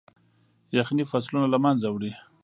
يخني فصلونه له منځه وړي.